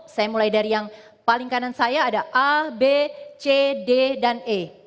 saya mulai dari yang paling kanan saya ada a b c d dan e